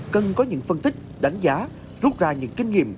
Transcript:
cần có những phân tích đánh giá rút ra những kinh nghiệm